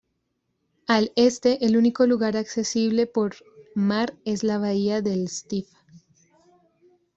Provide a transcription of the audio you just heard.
Al Este el único lugar accesible por mar es la bahía del Stiff.